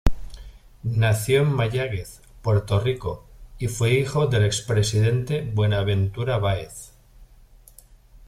Nació en Mayagüez, Puerto Rico y fue hijo del expresidente Buenaventura Báez.